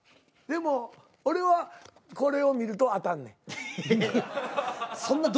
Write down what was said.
でも俺はこれを見ると当たんねん。